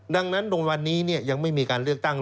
ดังนั้นตรงวันนี้ยังไม่มีการเลือกตั้ง